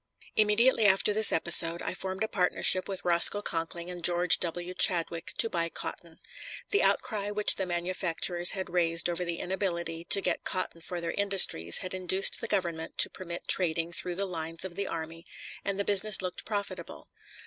Immediately after this episode I formed a partnership with Roscoe Conkling and George W. Chadwick to buy cotton. The outcry which the manufacturers had raised over the inability to get cotton for their industries had induced the Government to permit trading through the lines of the army, and the business looked profitable.